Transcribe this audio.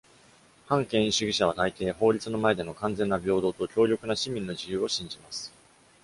反権威主義者は大抵、法律の前での完全な平等と強力な市民の自由を信じます。